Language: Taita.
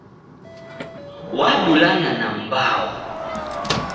Wabulana na m'mbao.